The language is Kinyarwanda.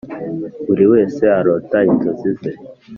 Buri wese arota inzozi ze